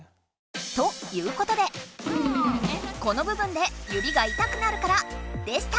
ということでこのぶ分で指がいたくなるからでした。